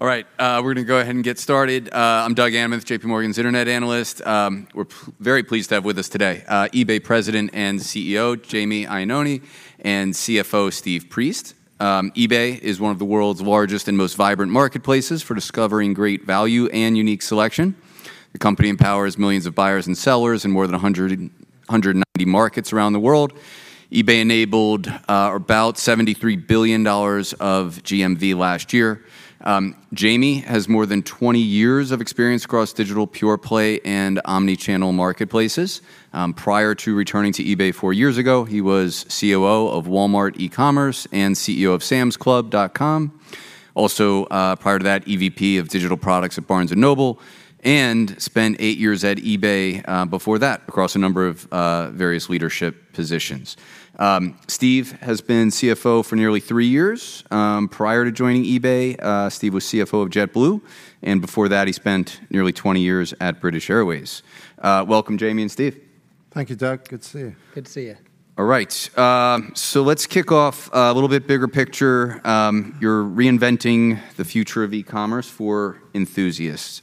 All right, we're gonna go ahead and get started. I'm Doug Anmuth, J.P. Morgan's internet analyst. We're very pleased to have with us today eBay President and CEO Jamie Iannone and CFO Steve Priest. eBay is one of the world's largest and most vibrant marketplaces for discovering great value and unique selection. The company empowers millions of buyers and sellers in more than 190 markets around the world. eBay enabled about $73 billion of GMV last year. Jamie has more than 20 years of experience across digital pure play and omni-channel marketplaces. Prior to returning to eBay 4 years ago, he was COO of Walmart eCommerce and CEO of SamsClub.com. Also, prior to that, EVP of digital products at Barnes & Noble, and spent eight years at eBay, before that, across a number of various leadership positions. Steve has been CFO for nearly three years. Prior to joining eBay, Steve was CFO of JetBlue, and before that, he spent nearly 20 years at British Airways. Welcome, Jamie and Steve. Thank you, Doug. Good to see you. Good to see you. All right. So let's kick off a little bit bigger picture. You're reinventing the future of e-commerce for enthusiasts.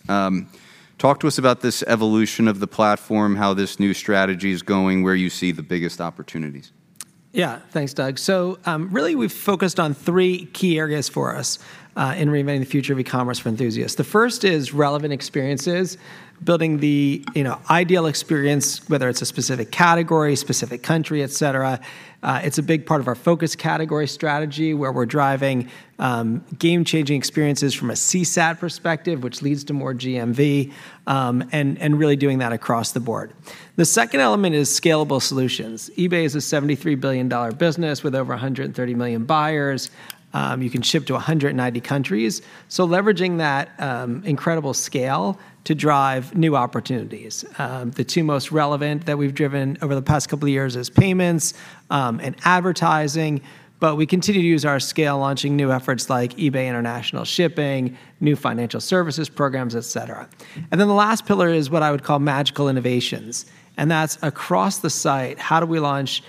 Talk to us about this evolution of the platform, how this new strategy is going, where you see the biggest opportunities. Yeah, thanks, Doug. So, really, we've focused on three key areas for us in reinventing the future of e-commerce for enthusiasts. The first is relevant experiences, building the, you know, ideal experience, whether it's a specific category, specific country, et cetera. It's a big part of our focus category strategy, where we're driving game-changing experiences from a CSAT perspective, which leads to more GMV, and really doing that across the board. The second element is scalable solutions. eBay is a $73 billion business with over 130 million buyers. You can ship to 190 countries, so leveraging that incredible scale to drive new opportunities. The two most relevant that we've driven over the past couple of years is payments, and advertising, but we continue to use our scale, launching new efforts like eBay International Shipping, new financial services programs, et cetera. And then the last pillar is what I would call magical innovations, and that's across the site, how do we launch,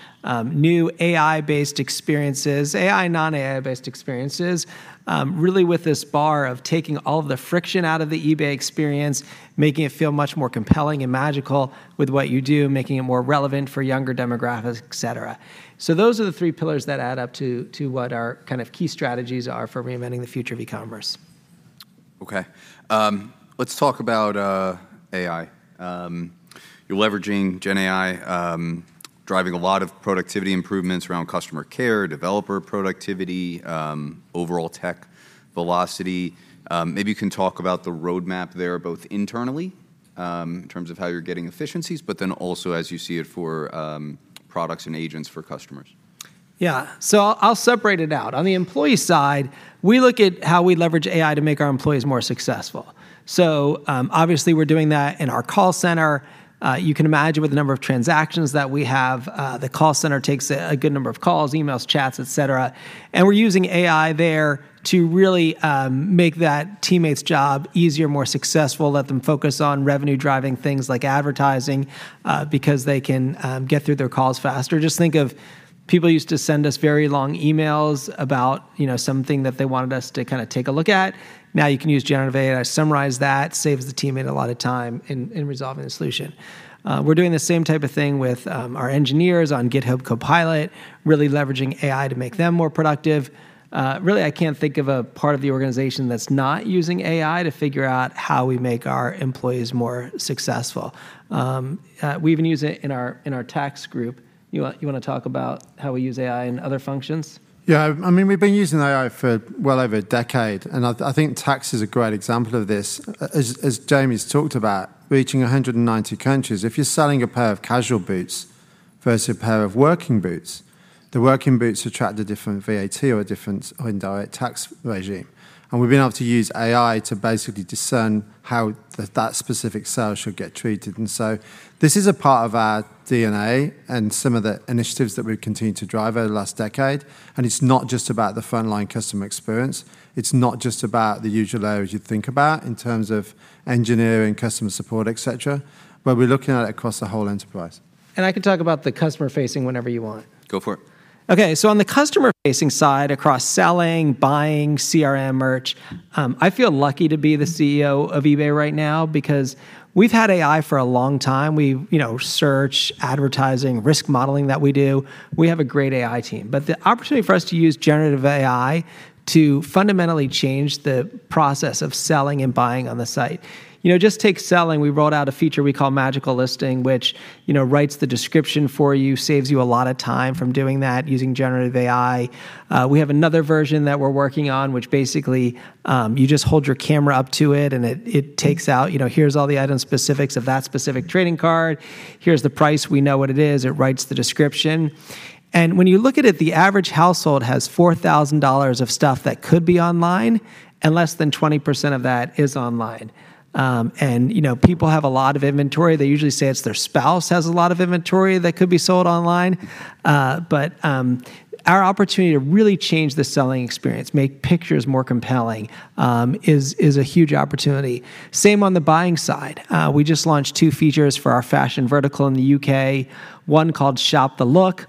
new AI-based experiences, AI, non-AI-based experiences? Really with this bar of taking all the friction out of the eBay experience, making it feel much more compelling and magical with what you do, making it more relevant for younger demographics, et cetera. So those are the three pillars that add up to what our kind of key strategies are for reinventing the future of e-commerce. Okay. Let's talk about AI. You're leveraging Gen AI, driving a lot of productivity improvements around customer care, developer productivity, overall tech velocity. Maybe you can talk about the roadmap there, both internally, in terms of how you're getting efficiencies, but then also as you see it for products and agents for customers. Yeah. So I'll separate it out. On the employee side, we look at how we leverage AI to make our employees more successful. So, obviously we're doing that in our call center. You can imagine with the number of transactions that we have, the call center takes a good number of calls, emails, chats, et cetera. And we're using AI there to really make that teammate's job easier, more successful, let them focus on revenue-driving things like advertising, because they can get through their calls faster. Just think of people used to send us very long emails about, you know, something that they wanted us to kind of take a look at. Now, you can use generative AI to summarize that, saves the teammate a lot of time in resolving a solution. We're doing the same type of thing with our engineers on GitHub Copilot, really leveraging AI to make them more productive. Really, I can't think of a part of the organization that's not using AI to figure out how we make our employees more successful. We even use it in our tax group. You wanna talk about how we use AI in other functions? Yeah, I mean, we've been using AI for well over a decade, and I think tax is a great example of this. As Jamie's talked about, reaching 190 countries, if you're selling a pair of casual boots versus a pair of working boots, the working boots attract a different VAT or a different indirect tax regime. And we've been able to use AI to basically discern how that specific sale should get treated. And so this is a part of our DNA and some of the initiatives that we've continued to drive over the last decade, and it's not just about the frontline customer experience. It's not just about the usual areas you'd think about in terms of engineering, customer support, et cetera, but we're looking at it across the whole enterprise. And I can talk about the customer-facing whenever you want. Go for it. Okay, so on the customer-facing side, across selling, buying, CRM, merch, I feel lucky to be the CEO of eBay right now because we've had AI for a long time. We, you know, search, advertising, risk modeling that we do. We have a great AI team, but the opportunity for us to use generative AI to fundamentally change the process of selling and buying on the site. You know, just take selling. We rolled out a feature we call Magical Listing, which, you know, writes the description for you, saves you a lot of time from doing that using generative AI. We have another version that we're working on, which basically, you just hold your camera up to it, and it takes out, you know, here's all the item specifics of that specific trading card. Here's the price. We know what it is. It writes the description. And when you look at it, the average household has $4,000 of stuff that could be online, and less than 20% of that is online. And, you know, people have a lot of inventory. They usually say it's their spouse has a lot of inventory that could be sold online. But our opportunity to really change the selling experience, make pictures more compelling, is a huge opportunity. Same on the buying side. We just launched two features for our fashion vertical in the U.K., one called Shop the Look,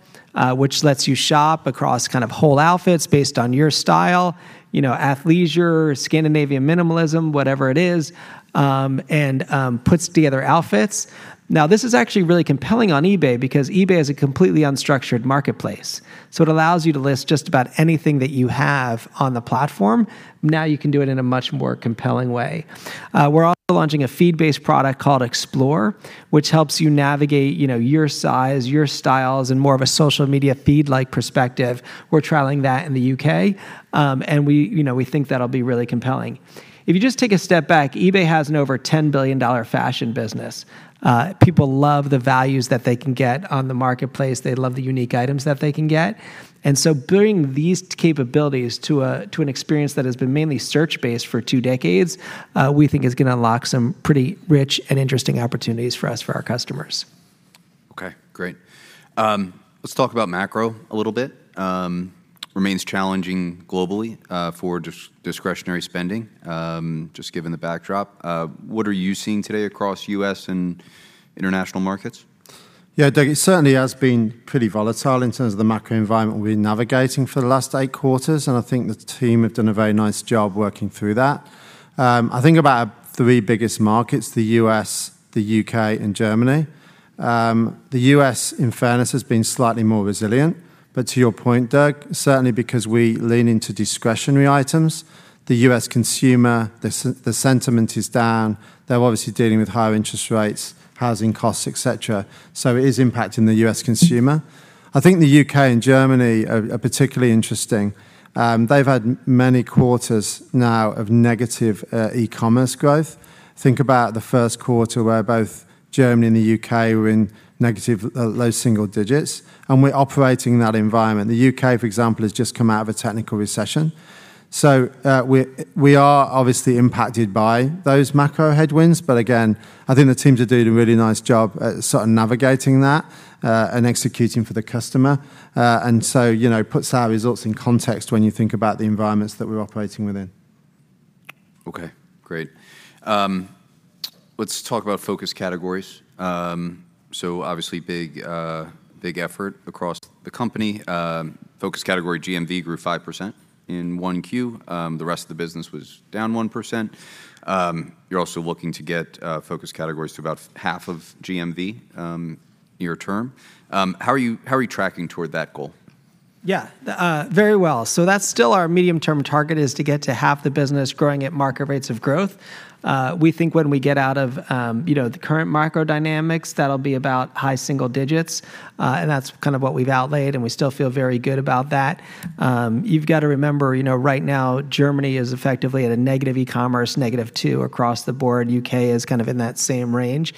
which lets you shop across kind of whole outfits based on your style, you know, athleisure, Scandinavian minimalism, whatever it is, and puts together outfits. Now, this is actually really compelling on eBay, because eBay is a completely unstructured marketplace, so it allows you to list just about anything that you have on the platform. Now you can do it in a much more compelling way. We're also launching a feed-based product called Explore, which helps you navigate, you know, your size, your styles, in more of a social media feed-like perspective. We're trialing that in the U.K., and we, you know, we think that'll be really compelling. If you just take a step back, eBay has an over $10 billion fashion business. People love the values that they can get on the marketplace. They love the unique items that they can get. So bringing these capabilities to an experience that has been mainly search-based for two decades, we think is going to unlock some pretty rich and interesting opportunities for us, for our customers. Okay, great. Let's talk about macro a little bit. Remains challenging globally, for discretionary spending, just given the backdrop. What are you seeing today across U.S. and international markets? Yeah, Doug, it certainly has been pretty volatile in terms of the macro environment we've been navigating for the last 8 quarters, and I think the team have done a very nice job working through that. I think about our 3 biggest markets, the U.S., the U.K., and Germany. The U.S., in fairness, has been slightly more resilient. But to your point, Doug, certainly because we lean into discretionary items, the U.S. consumer, the sentiment is down. They're obviously dealing with higher interest rates, housing costs, et cetera, so it is impacting the U.S. consumer. I think the U.K. and Germany are particularly interesting. They've had many quarters now of negative e-commerce growth. Think about the first quarter, where both Germany and the U.K. were in negative low single digits, and we're operating in that environment. The U.K., for example, has just come out of a technical recession, so, we are obviously impacted by those macro headwinds. But again, I think the teams are doing a really nice job at sort of navigating that, and executing for the customer. And so, you know, puts our results in context when you think about the environments that we're operating within. Okay, great. Let's talk about focus categories. So obviously big, big effort across the company. Focus category GMV grew 5% in Q1. The rest of the business was down 1%. You're also looking to get focus categories to about half of GMV near term. How are you tracking toward that goal? Yeah. Very well. So that's still our medium-term target, is to get to half the business growing at market rates of growth. We think when we get out of, you know, the current macro dynamics, that'll be about high single digits, and that's kind of what we've outlaid, and we still feel very good about that. You've got to remember, you know, right now, Germany is effectively at a negative e-commerce, -2 across the board. U.K. is kind of in that same range.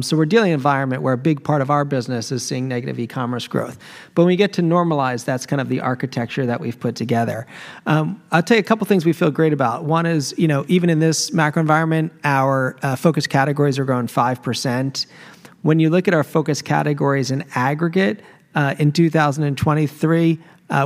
So we're dealing in an environment where a big part of our business is seeing negative e-commerce growth. But when we get to normalize, that's kind of the architecture that we've put together. I'll tell you a couple of things we feel great about. One is, you know, even in this macro environment, our focus categories are growing 5%. When you look at our focus categories in aggregate, in 2023,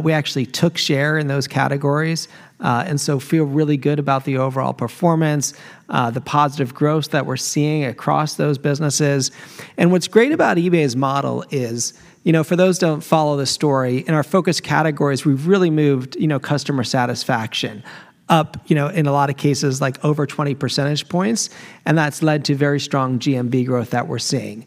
we actually took share in those categories, and so feel really good about the overall performance, the positive growth that we're seeing across those businesses. And what's great about eBay's model is, you know, for those don't follow the story, in our focus categories, we've really moved, you know, customer satisfaction up, you know, in a lot of cases, like over 20 percentage points, and that's led to very strong GMV growth that we're seeing.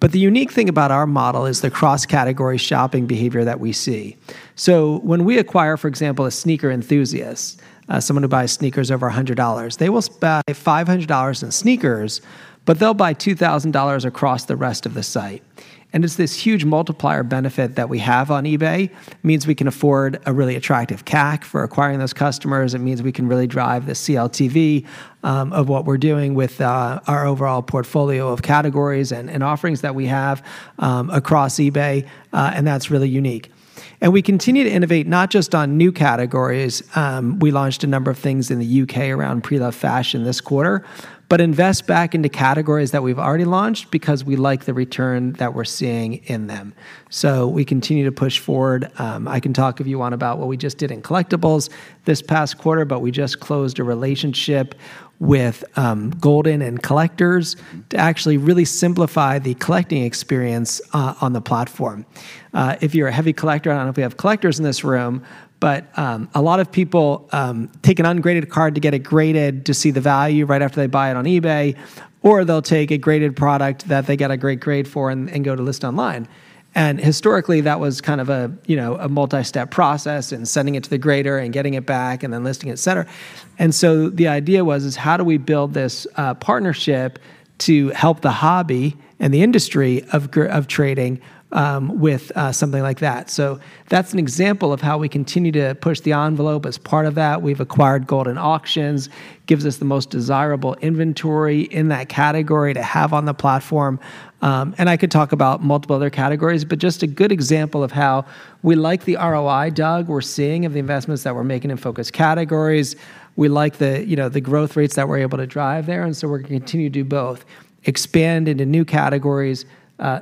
But the unique thing about our model is the cross-category shopping behavior that we see. So when we acquire, for example, a sneaker enthusiast, someone who buys sneakers over $100, they will spend $500 in sneakers, but they'll buy $2,000 across the rest of the site. And it's this huge multiplier benefit that we have on eBay. Means we can afford a really attractive CAC for acquiring those customers. It means we can really drive the CLTV, of what we're doing with, our overall portfolio of categories and, and offerings that we have, across eBay, and that's really unique. And we continue to innovate, not just on new categories. We launched a number of things in the UK around preloved fashion this quarter, but invest back into categories that we've already launched because we like the return that we're seeing in them, so we continue to push forward. I can talk, if you want, about what we just did in collectibles this past quarter, but we just closed a relationship with Goldin and Collectors to actually really simplify the collecting experience on the platform. If you're a heavy collector, I don't know if we have collectors in this room, but a lot of people take an ungraded card to get it graded to see the value right after they buy it on eBay, or they'll take a graded product that they get a great grade for and, and go to list online. And historically, that was kind of a, you know, a multi-step process, and sending it to the grader, and getting it back, and then listing it, et cetera. The idea was, is how do we build this partnership to help the hobby and the industry of trading with something like that? So that's an example of how we continue to push the envelope. As part of that, we've acquired Goldin Auctions, gives us the most desirable inventory in that category to have on the platform. I could talk about multiple other categories, but just a good example of how we like the ROI, Doug, we're seeing of the investments that we're making in focus categories. We like the, you know, the growth rates that we're able to drive there, and so we're gonna continue to do both, expand into new categories,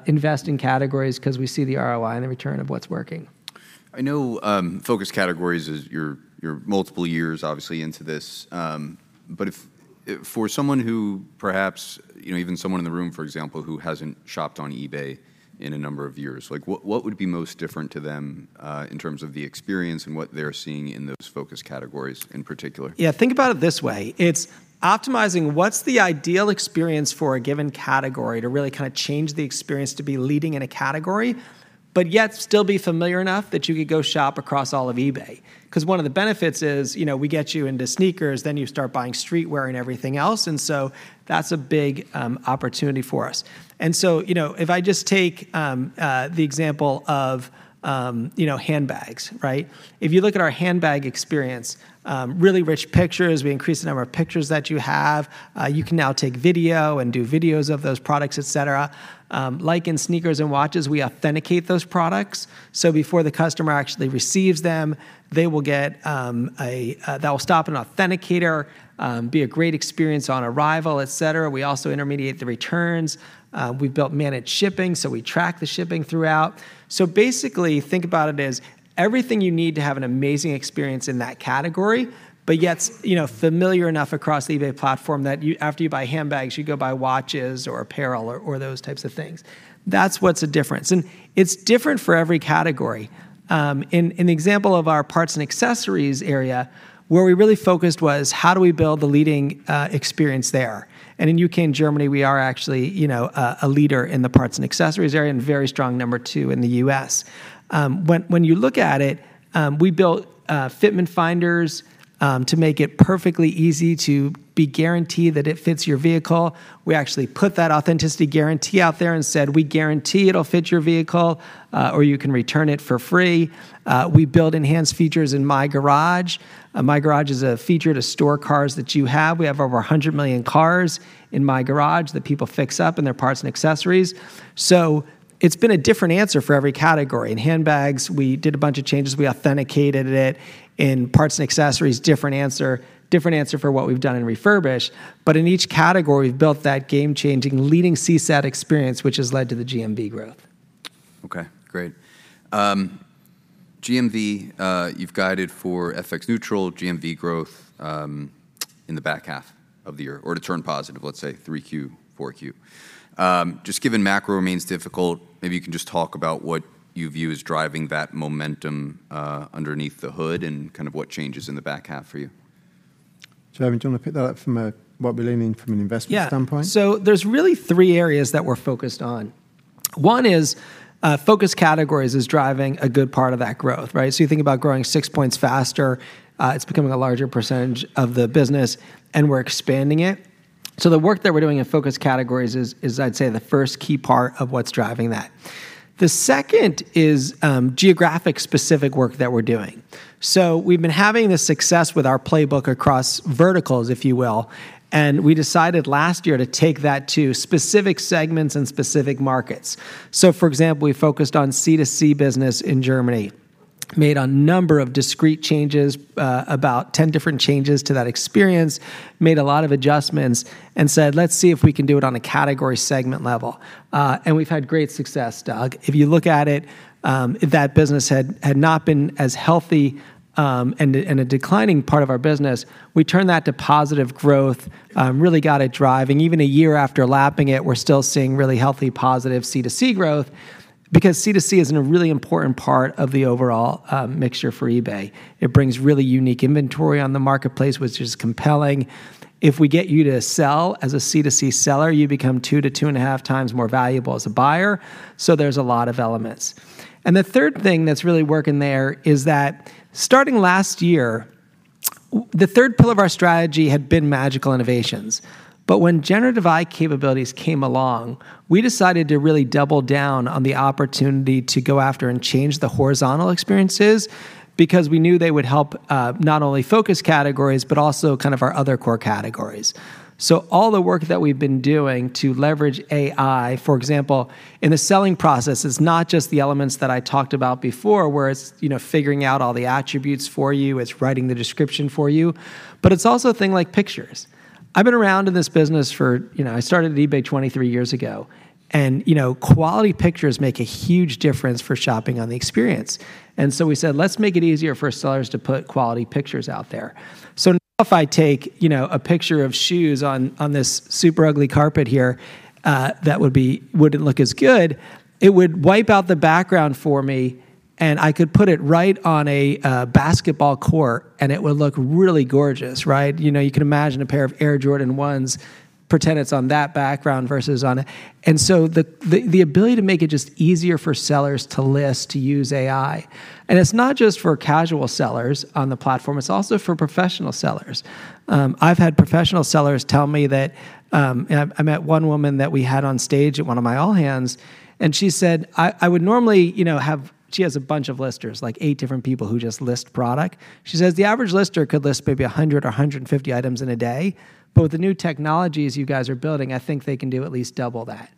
invest in categories, 'cause we see the ROI and the return of what's working.... I know, focus categories is you're multiple years obviously into this, but if for someone who perhaps, you know, even someone in the room, for example, who hasn't shopped on eBay in a number of years, like, what would be most different to them in terms of the experience and what they're seeing in those focus categories in particular? Yeah, think about it this way: it's optimizing what's the ideal experience for a given category to really kind of change the experience to be leading in a category, but yet still be familiar enough that you could go shop across all of eBay. 'Cause one of the benefits is, you know, we get you into sneakers, then you start buying streetwear and everything else, and so that's a big opportunity for us. And so, you know, if I just take the example of, you know, handbags, right? If you look at our handbag experience, really rich pictures, we increase the number of pictures that you have. You can now take video and do videos of those products, et cetera. Like in sneakers and watches, we authenticate those products, so before the customer actually receives them, they will get, a, that will stop and authenticate her, be a great experience on arrival, et cetera. We also intermediate the returns. We've built managed shipping, so we track the shipping throughout. So basically, think about it as everything you need to have an amazing experience in that category, but yet, you know, familiar enough across the eBay platform that you- after you buy handbags, you go buy watches or apparel or, or those types of things. That's what's the difference, and it's different for every category. In the example of our parts and accessories area, where we really focused was: how do we build the leading, experience there? And in the U.K. and Germany, we are actually, you know, a leader in the parts and accessories area, and a very strong number two in the U.S. When you look at it, we built fitment finders to make it perfectly easy to be guaranteed that it fits your vehicle. We actually put that Authenticity Guarantee out there and said, "We guarantee it'll fit your vehicle, or you can return it for free." We built enhanced features in My Garage. My Garage is a feature to store cars that you have. We have over 100 million cars in My Garage that people fix up, and they're parts and accessories. So it's been a different answer for every category. In handbags, we did a bunch of changes. We authenticated it. In parts and accessories, different answer, different answer for what we've done in refurbished. But in each category, we've built that game-changing, leading CSAT experience, which has led to the GMV growth. Okay, great. GMV, you've guided for FX neutral GMV growth in the back half of the year, or to turn positive, let's say, Q3, Q4. Just given macro remains difficult, maybe you can just talk about what you view as driving that momentum underneath the hood, and kind of what changes in the back half for you. So, do you want to pick that up from what we're learning from an investment standpoint? Yeah. So there's really three areas that we're focused on. One is, focus categories is driving a good part of that growth, right? So you think about growing six points faster, it's becoming a larger percentage of the business, and we're expanding it. So the work that we're doing in focus categories is, I'd say, the first key part of what's driving that. The second is, geographic-specific work that we're doing. So we've been having this success with our playbook across verticals, if you will, and we decided last year to take that to specific segments and specific markets. So, for example, we focused on C2C business in Germany, made a number of discrete changes, about 10 different changes to that experience, made a lot of adjustments, and said, "Let's see if we can do it on a category segment level." And we've had great success, Doug. If you look at it, that business had not been as healthy, and a declining part of our business. We turned that to positive growth, really got it driving. Even a year after lapping it, we're still seeing really healthy, positive C2C growth, because C2C is a really important part of the overall mixture for eBay. It brings really unique inventory on the marketplace, which is compelling. If we get you to sell as a C2C seller, you become 2-2.5 times more valuable as a buyer. So there's a lot of elements. And the third thing that's really working there is that starting last year, the third pillar of our strategy had been magical innovations. But when generative AI capabilities came along, we decided to really double down on the opportunity to go after and change the horizontal experiences, because we knew they would help, not only focus categories, but also kind of our other core categories. So all the work that we've been doing to leverage AI, for example, in the selling process, is not just the elements that I talked about before, where it's, you know, figuring out all the attributes for you, it's writing the description for you, but it's also a thing like pictures. I've been around in this business for... You know, I started at eBay 23 years ago, and, you know, quality pictures make a huge difference for shopping on the experience. And so we said, "Let's make it easier for sellers to put quality pictures out there." So now if I take, you know, a picture of shoes on this super ugly carpet here, that wouldn't look as good, it would wipe out the background for me, and I could put it right on a basketball court, and it would look really gorgeous, right? You know, you can imagine a pair of Air Jordan 1s, pretend it's on that background versus on a... And so the ability to make it just easier for sellers to list, to use AI. And it's not just for casual sellers on the platform, it's also for professional sellers. I've had professional sellers tell me that. And I met one woman that we had on stage at one of my all-hands, and she said, "I would normally, you know, have," she has a bunch of listers, like 8 different people who just list product. She says, "The average lister could list maybe 100 or 150 items in a day, but with the new technologies you guys are building, I think they can do at least double that."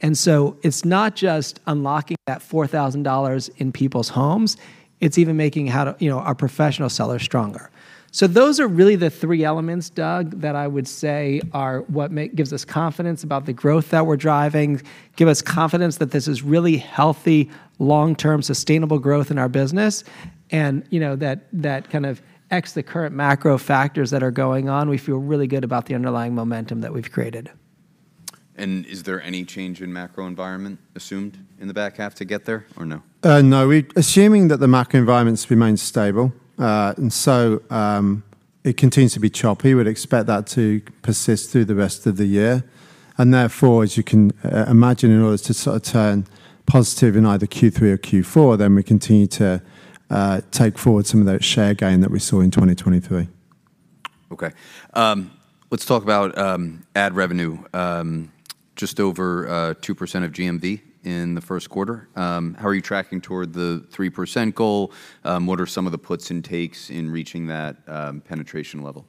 And so it's not just unlocking that $4,000 in people's homes, it's even making how to, you know, our professional sellers stronger. So those are really the three elements, Doug, that I would say are what gives us confidence about the growth that we're driving, give us confidence that this is really healthy, long-term, sustainable growth in our business, and, you know, that, that kind of FX, the current macro factors that are going on, we feel really good about the underlying momentum that we've created.... Is there any change in macro environment assumed in the back half to get there, or no? No, assuming that the macro environment's remained stable, and so, it continues to be choppy. We'd expect that to persist through the rest of the year, and therefore, as you can imagine, in order to sort of turn positive in either Q3 or Q4, then we continue to take forward some of that share gain that we saw in 2023. Okay. Let's talk about ad revenue. Just over 2% of GMV in the first quarter. How are you tracking toward the 3% goal? What are some of the puts and takes in reaching that penetration level?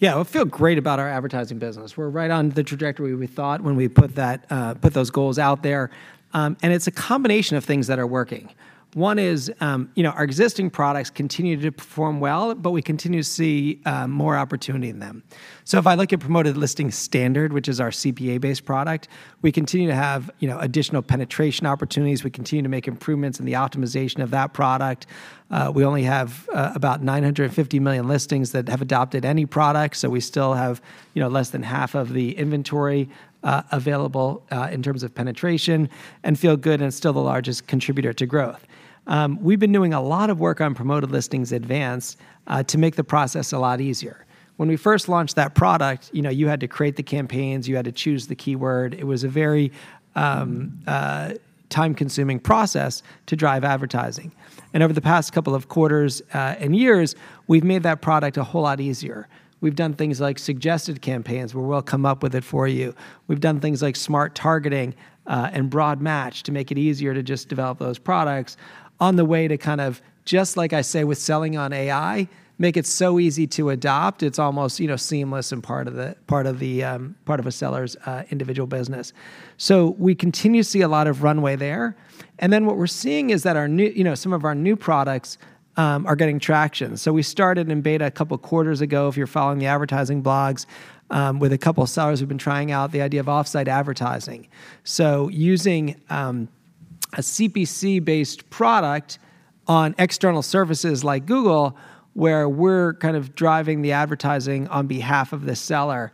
Yeah, we feel great about our advertising business. We're right on the trajectory we thought when we put those goals out there. And it's a combination of things that are working. One is, you know, our existing products continue to perform well, but we continue to see more opportunity in them. So if I look at Promoted Listings Standard, which is our CPA-based product, we continue to have, you know, additional penetration opportunities. We continue to make improvements in the optimization of that product. We only have about 950 million listings that have adopted any product, so we still have, you know, less than half of the inventory available in terms of penetration, and feel good, and it's still the largest contributor to growth. We've been doing a lot of work on Promoted Listings Advanced to make the process a lot easier. When we first launched that product, you know, you had to create the campaigns, you had to choose the keyword. It was a very time-consuming process to drive advertising. And over the past couple of quarters and years, we've made that product a whole lot easier. We've done things like suggested campaigns, where we'll come up with it for you. We've done things like smart targeting and broad match to make it easier to just develop those products on the way to kind of, just like I say, with selling on AI, make it so easy to adopt. It's almost, you know, seamless and part of a seller's individual business. We continue to see a lot of runway there. Then what we're seeing is that our new, you know, some of our new products, are getting traction. We started in beta a couple of quarters ago, if you're following the advertising blogs, with a couple of sellers who've been trying out the idea of offsite advertising. Using a CPC-based product on external services like Google, where we're kind of driving the advertising on behalf of the seller,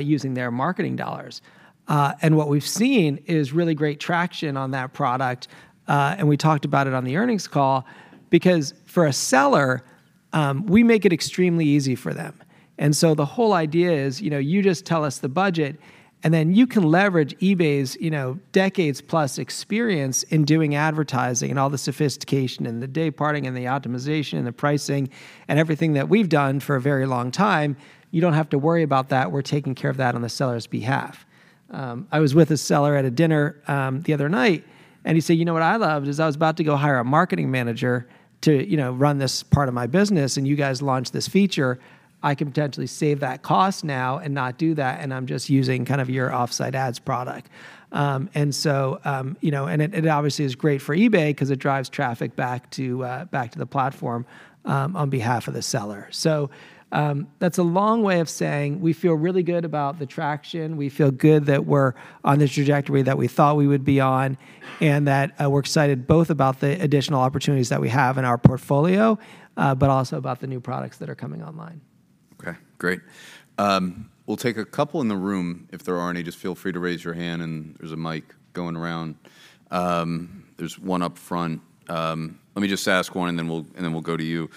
using their marketing dollars. What we've seen is really great traction on that product, and we talked about it on the earnings call, because for a seller, we make it extremely easy for them. And so the whole idea is, you know, you just tell us the budget, and then you can leverage eBay's, you know, decades-plus experience in doing advertising and all the sophistication and the day parting and the optimization and the pricing and everything that we've done for a very long time. You don't have to worry about that. We're taking care of that on the seller's behalf. I was with a seller at a dinner, the other night, and he said: "You know what I loved? Is I was about to go hire a marketing manager to, you know, run this part of my business, and you guys launched this feature. I can potentially save that cost now and not do that, and I'm just using kind of your Offsite Ads product." And so, you know, and it obviously is great for eBay 'cause it drives traffic back to, back to the platform, on behalf of the seller. So, that's a long way of saying we feel really good about the traction. We feel good that we're on the trajectory that we thought we would be on, and that, we're excited both about the additional opportunities that we have in our portfolio, but also about the new products that are coming online. Okay, great. We'll take a couple in the room, if there are any. Just feel free to raise your hand, and there's a mic going around. There's one up front. Let me just ask one, and then we'll go to you.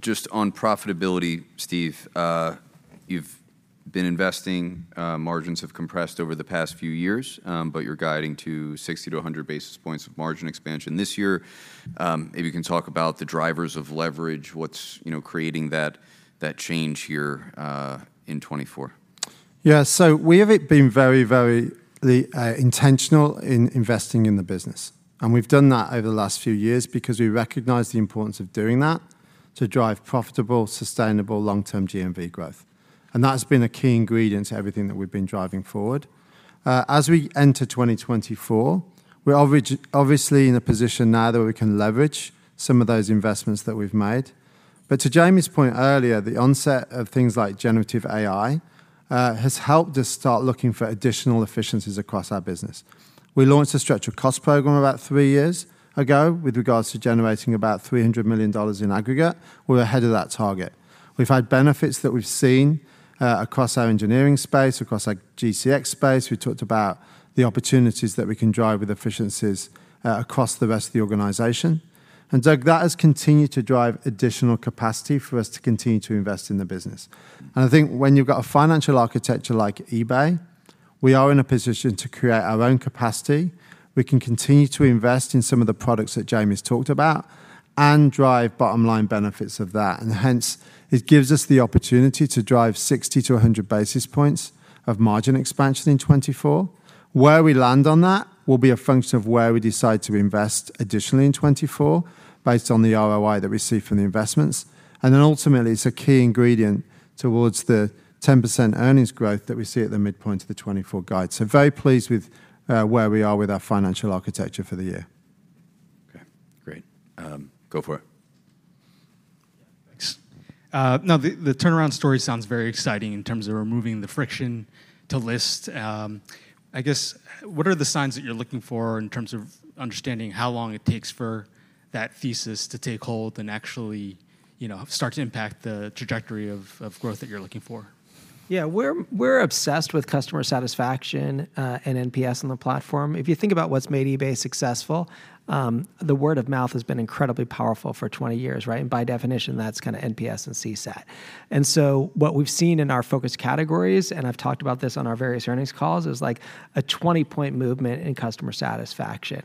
Just on profitability, Steve, you've been investing, margins have compressed over the past few years, but you're guiding to 60-100 basis points of margin expansion this year. Maybe you can talk about the drivers of leverage, what's, you know, creating that change here, in 2024. Yeah. So we have it been very, very, intentional in investing in the business, and we've done that over the last few years because we recognize the importance of doing that to drive profitable, sustainable, long-term GMV growth. And that's been a key ingredient to everything that we've been driving forward. As we enter 2024, we're obviously in a position now that we can leverage some of those investments that we've made. But to Jamie's point earlier, the onset of things like generative AI, has helped us start looking for additional efficiencies across our business. We launched a structural cost program about three years ago with regards to generating about $300 million in aggregate. We're ahead of that target. We've had benefits that we've seen, across our engineering space, across our GCX space. We talked about the opportunities that we can drive with efficiencies across the rest of the organization. And Doug, that has continued to drive additional capacity for us to continue to invest in the business. And I think when you've got a financial architecture like eBay, we are in a position to create our own capacity. We can continue to invest in some of the products that Jamie's talked about and drive bottom-line benefits of that, and hence, it gives us the opportunity to drive 60-100 basis points of margin expansion in 2024. Where we land on that will be a function of where we decide to invest additionally in 2024, based on the ROI that we see from the investments. And then ultimately, it's a key ingredient towards the 10% earnings growth that we see at the midpoint of the 2024 guide. Very pleased with where we are with our financial architecture for the year. Okay, great. Go for it. Yeah, thanks. Now, the turnaround story sounds very exciting in terms of removing the friction to list. I guess what are the signs that you're looking for in terms of understanding how long it takes for that thesis to take hold and actually, you know, start to impact the trajectory of growth that you're looking for? Yeah, we're obsessed with customer satisfaction, and NPS on the platform. If you think about what's made eBay successful, the word of mouth has been incredibly powerful for 20 years, right? And by definition, that's kind of NPS and CSAT. And so what we've seen in our focus categories, and I've talked about this on our various earnings calls, is like a 20-point movement in customer satisfaction.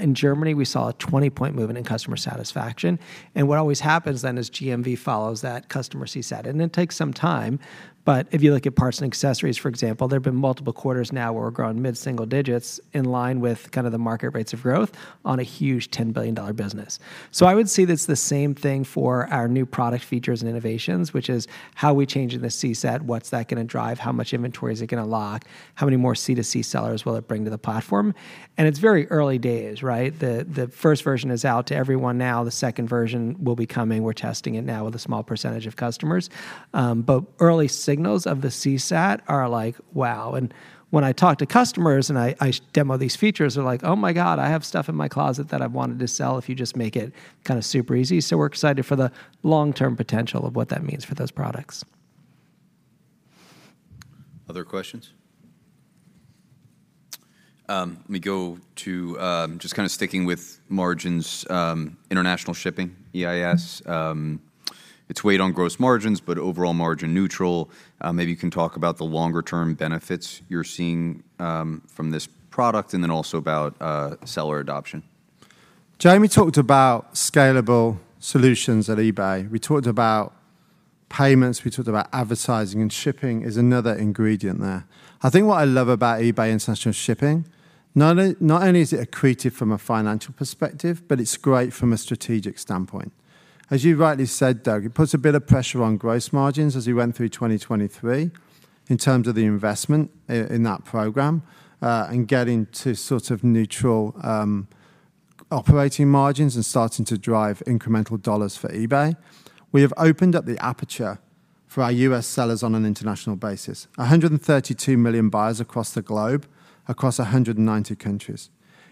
In Germany, we saw a 20-point movement in customer satisfaction. And what always happens then is GMV follows that customer CSAT, and it takes some time. But if you look at parts and accessories, for example, there have been multiple quarters now where we're growing mid-single digits in line with kind of the market rates of growth on a huge $10 billion business. So I would say that it's the same thing for our new product features and innovations, which is how we change the CSAT, what's that gonna drive? How much inventory is it gonna lock? How many more C2C sellers will it bring to the platform? And it's very early days, right? The first version is out to everyone now. The second version will be coming. We're testing it now with a small percentage of customers. But early signals of the CSAT are like, wow! And when I talk to customers and I demo these features, they're like, "Oh my God, I have stuff in my closet that I've wanted to sell, if you just make it kind of super easy." So we're excited for the long-term potential of what that means for those products. Other questions? Let me go to, just kind of sticking with margins, international shipping, EIS. It's weighed on gross margins, but overall margin neutral. Maybe you can talk about the longer-term benefits you're seeing, from this product, and then also about, seller adoption. Jamie talked about scalable solutions at eBay. We talked about payments, we talked about advertising, and shipping is another ingredient there. I think what I love about eBay International Shipping, not only is it accretive from a financial perspective, but it's great from a strategic standpoint. As you rightly said, Doug, it puts a bit of pressure on gross margins as we went through 2023, in terms of the investment in that program, and getting to sort of neutral operating margins and starting to drive incremental dollars for eBay. We have opened up the aperture for our US sellers on an international basis. 132 million buyers across the globe, across 190 countries.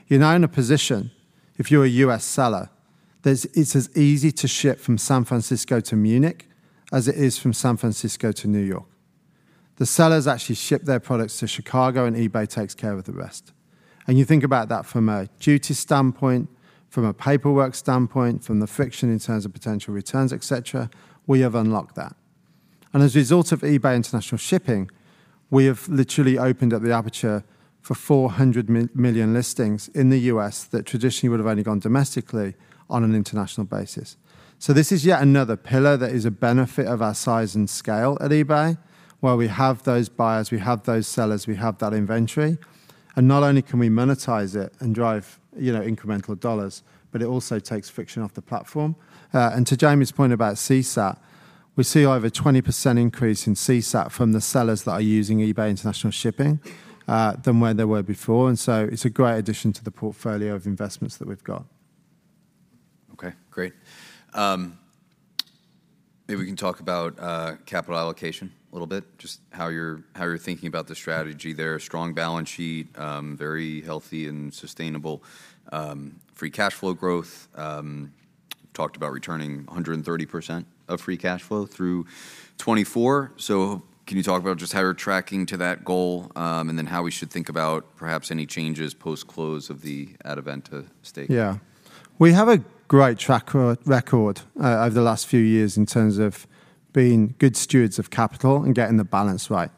You're now in a position, if you're a U.S. seller, there's, it's as easy to ship from San Francisco to Munich as it is from San Francisco to New York. The sellers actually ship their products to Chicago, and eBay takes care of the rest. You think about that from a duty standpoint, from a paperwork standpoint, from the friction in terms of potential returns, et cetera, we have unlocked that. As a result of eBay International Shipping, we have literally opened up the aperture for 400 million listings in the U.S., that traditionally would have only gone domestically, on an international basis. So this is yet another pillar that is a benefit of our size and scale at eBay, where we have those buyers, we have those sellers, we have that inventory. Not only can we monetize it and drive, you know, incremental dollars, but it also takes friction off the platform. To Jamie's point about CSAT, we see over a 20% increase in CSAT from the sellers that are using eBay International Shipping than where they were before. So it's a great addition to the portfolio of investments that we've got. Okay, great. Maybe we can talk about capital allocation a little bit, just how you're thinking about the strategy there. Strong balance sheet, very healthy and sustainable, free cash flow growth. Talked about returning 100% of free cash flow through 2024. So can you talk about just how you're tracking to that goal, and then how we should think about perhaps any changes post-close of the Adevinta stake? Yeah. We have a great track record over the last few years in terms of being good stewards of capital and getting the balance right.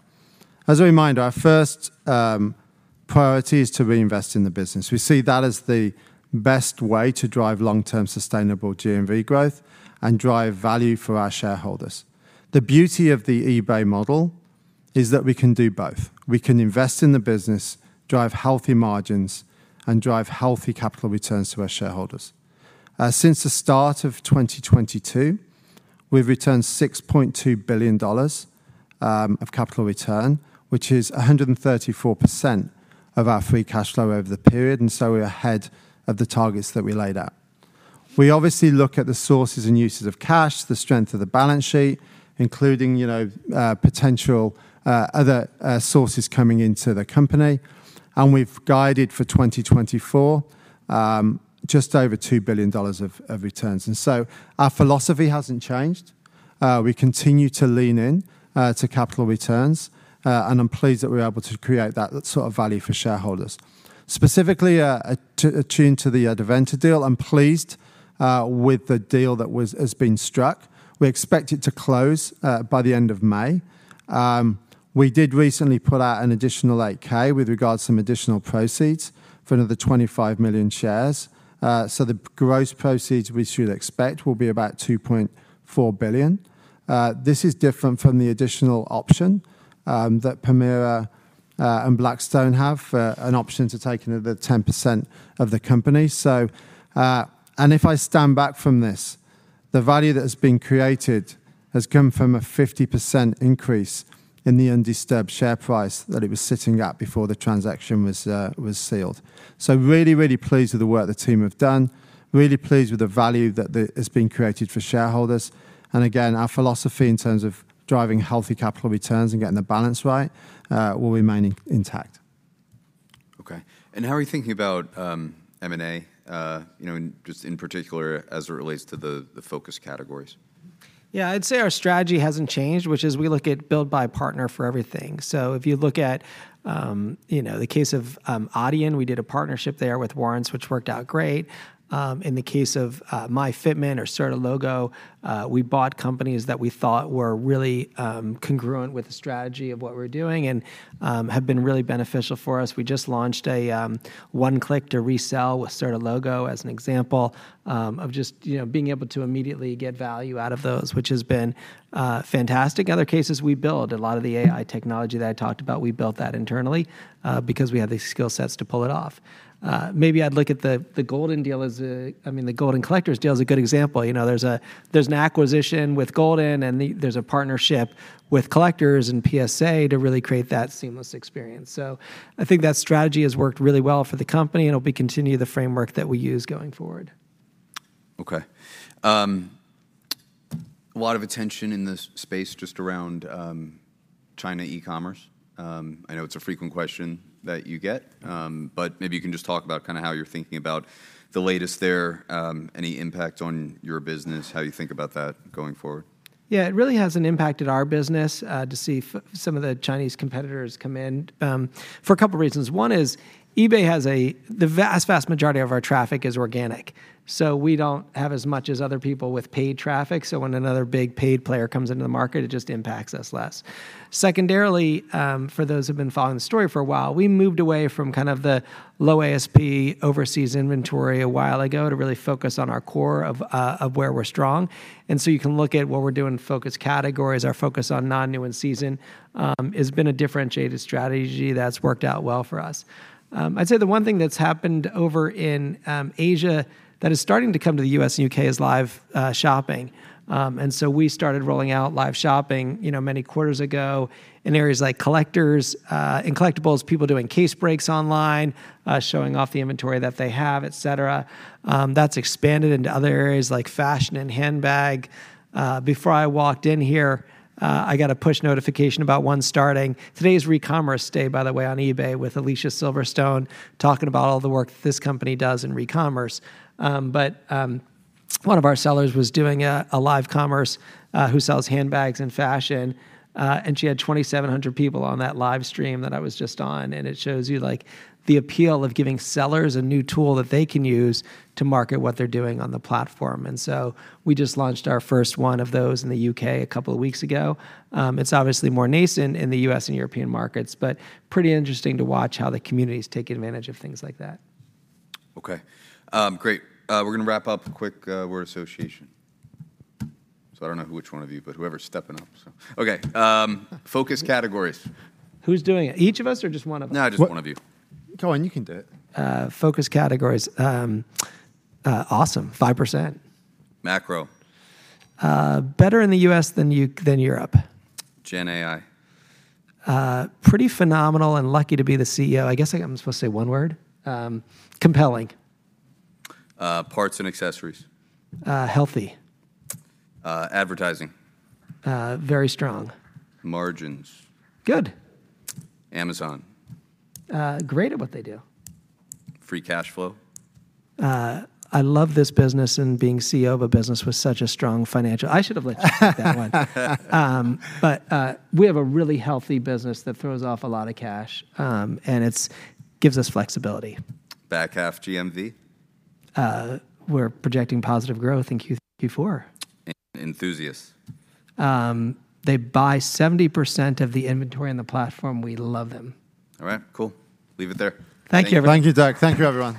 As a reminder, our first priority is to reinvest in the business. We see that as the best way to drive long-term sustainable GMV growth and drive value for our shareholders. The beauty of the eBay model is that we can do both. We can invest in the business, drive healthy margins, and drive healthy capital returns to our shareholders. Since the start of 2022, we've returned $6.2 billion of capital return, which is 134% of our free cash flow over the period, and so we're ahead of the targets that we laid out. We obviously look at the sources and uses of cash, the strength of the balance sheet, including, you know, potential, other, sources coming into the company. And we've guided for 2024, just over $2 billion of returns. And so our philosophy hasn't changed. We continue to lean in, to capital returns, and I'm pleased that we're able to create that sort of value for shareholders. Specifically, attuned to the Adevinta deal, I'm pleased with the deal that has been struck. We expect it to close by the end of May. We did recently put out an additional 8-K with regards to some additional proceeds for another 25 million shares. So the gross proceeds we should expect will be about $2.4 billion. This is different from the additional option that Permira and Blackstone have an option to take another 10% of the company. So, and if I stand back from this, the value that has been created has come from a 50% increase in the undisturbed share price that it was sitting at before the transaction was sealed. So really, really pleased with the work the team have done, really pleased with the value that is being created for shareholders. And again, our philosophy in terms of driving healthy capital returns and getting the balance right will remain intact.... Okay, and how are you thinking about M&A, you know, in just in particular as it relates to the focus categories? Yeah, I'd say our strategy hasn't changed, which is we look at build by partner for everything. So if you look at, you know, the case of, Adyen, we did a partnership there with warrants, which worked out great. In the case of, myFitment or Certilogo, we bought companies that we thought were really, congruent with the strategy of what we're doing and, have been really beneficial for us. We just launched a, one-click to resell with Certilogo as an example, of just, you know, being able to immediately get value out of those, which has been, fantastic. Other cases, we build. A lot of the AI technology that I talked about, we built that internally, because we had the skill sets to pull it off. Maybe I'd look at the Goldin deal as a, I mean, the Goldin Collectors deal is a good example. You know, there's an acquisition with Goldin, and there's a partnership with Collectors and PSA to really create that seamless experience. So I think that strategy has worked really well for the company, and it'll be continue the framework that we use going forward. Okay. A lot of attention in this space just around China e-commerce. I know it's a frequent question that you get, but maybe you can just talk about kind of how you're thinking about the latest there, any impact on your business, how you think about that going forward. Yeah, it really hasn't impacted our business to see some of the Chinese competitors come in for a couple reasons. One is eBay has the vast, vast majority of our traffic is organic, so we don't have as much as other people with paid traffic, so when another big paid player comes into the market, it just impacts us less. Secondarily, for those who have been following the story for a while, we moved away from kind of the low ASP overseas inventory a while ago to really focus on our core of where we're strong, and so you can look at what we're doing in focus categories. Our focus on non-new and season has been a differentiated strategy that's worked out well for us. I'd say the one thing that's happened over in, Asia that is starting to come to the US and UK is live, shopping. And so we started rolling out live shopping, you know, many quarters ago in areas like collectors, in collectibles, people doing case breaks online, showing off the inventory that they have, et cetera. That's expanded into other areas like fashion and handbag. Before I walked in here, I got a push notification about one starting. Today is Recommerce Day, by the way, on eBay, with Alicia Silverstone talking about all the work this company does in recommerce. But one of our sellers was doing a live commerce, who sells handbags and fashion, and she had 2,700 people on that live stream that I was just on, and it shows you, like, the appeal of giving sellers a new tool that they can use to market what they're doing on the platform. So we just launched our first one of those in the U.K. a couple of weeks ago. It's obviously more nascent in the U.S. and European markets, but pretty interesting to watch how the community's taking advantage of things like that. Okay, great. We're gonna wrap up quick, word association. So I don't know which one of you, but whoever's stepping up, so... Okay, focus categories. Who's doing it? Each of us or just one of us? No, just one of you. Colin, you can do it. Focus categories. Awesome, 5%. Macro. Better in the U.S. than Europe. Gen AI. Pretty phenomenal and lucky to be the CEO. I guess, I'm supposed to say one word? Compelling. Parts and accessories. Uh, healthy. Uh, advertising. Very strong. Margins. Good. Amazon. Great at what they do. Free cash flow. I love this business and being CEO of a business with such a strong financial... I should have let you take that one. But, we have a really healthy business that throws off a lot of cash, and it's gives us flexibility. Back half GMV? We're projecting positive growth in Q4. Enthusiasts. They buy 70% of the inventory on the platform. We love them. All right, cool. Leave it there. Thank you, everyone. Thank you, Doug. Thank you, everyone.